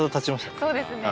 そうですね。